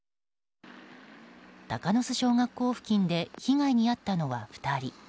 鷹巣小学校付近で被害に遭ったのは２人。